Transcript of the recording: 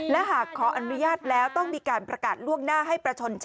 และหากขออนุญาตแล้วต้องมีการประกาศล่วงหน้าให้ประชน